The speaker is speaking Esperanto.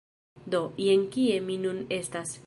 Do, jen kie mi nun estas...